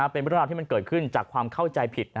เป็นปฏิบัติที่เกิดขึ้นจากความเข้าใจผิด